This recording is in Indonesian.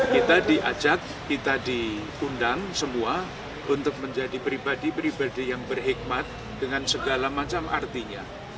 kita diajak kita diundang semua untuk menjadi pribadi pribadi yang berhikmat dengan segala macam artinya